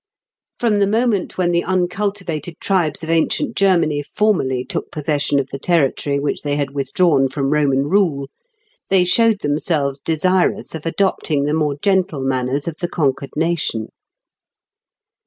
From the moment when the uncultivated tribes of ancient Germany formally took possession of the territory which they had withdrawn from Roman rule, they showed themselves desirous of adopting the more gentle manners of the conquered nation.